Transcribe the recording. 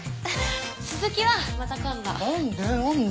続きはまた今度。